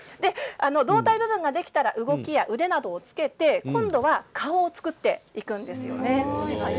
胴体部分ができたら腕などをつけて、今度は顔などを作っていくんですよね。